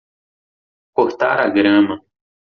Cortar a grama.